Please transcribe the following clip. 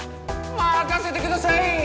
任せてください